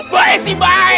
bae sih bae